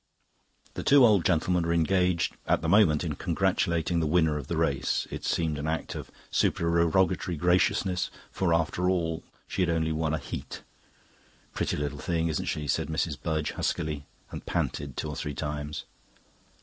The two old gentlemen were engaged at the moment in congratulating the winner of the race; it seemed an act of supererogatory graciousness; for, after all, she had only won a heat. "Pretty little thing, isn't she?" said Mrs. Budge huskily, and panted two or three times.